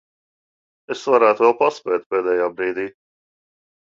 Es varētu vēl paspēt pēdējā brīdī.